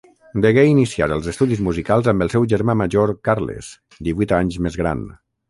Degué iniciar els estudis musicals amb el seu germà major, Carles, divuit anys més gran.